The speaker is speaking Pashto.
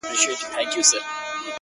مړ مي مړوند دی’